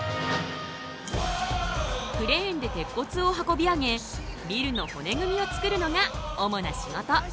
クレーンで鉄骨を運び上げビルの骨組みをつくるのが主な仕事。